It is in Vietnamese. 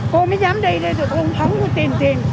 cô mới dám đi tôi không có tiền tiền